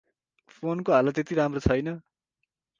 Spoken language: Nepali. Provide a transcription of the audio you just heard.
फोनको हालत तेती राम्रो छैन ।